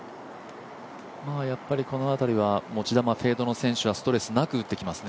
この当たりは持ち球、フェードの選手はストレスなく打ってきますね。